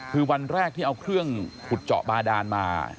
คือวันแรกที่เอาเครื่องขุดเจาะบาดานมา